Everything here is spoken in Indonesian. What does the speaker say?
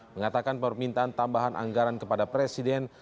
mengatakan permintaan tambahan anggaran kepada presiden